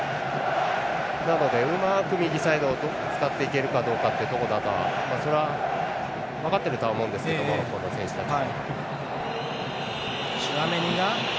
なので、うまく右サイドを使っていけるかというところだとはそれは分かってるとは思うんですけどモロッコの選手たちは。